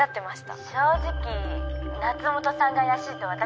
正直夏本さんが怪しいと私は思って。